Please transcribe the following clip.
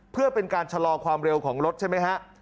เพื่อเป็นการชะลอความเร็วของรถใช่ไหมฮะ